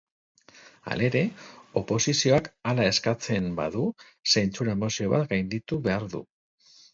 Halere, oposizioak hala eskatzen badu, zentsura mozio bat gainditu behar du.